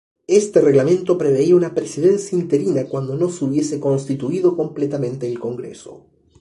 Este reglamento preveía una presidencia interina cuando no se hubiese constituido completamente el Congreso.